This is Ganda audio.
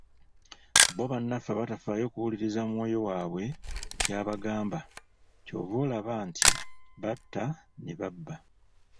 Bo bannaffe abatafaayo kuwuliriza mwoyo waabwe ky'abagamba, ky'ova olaba nti batta ne babba.